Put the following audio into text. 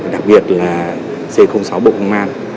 đặc biệt là c sáu bộ công an